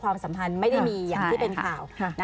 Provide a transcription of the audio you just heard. สัมพันธ์ไม่ได้มีอย่างที่เป็นข่าว